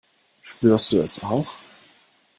Spürst du es auch?